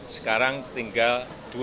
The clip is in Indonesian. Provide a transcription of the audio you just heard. sekarang tinggal dua puluh empat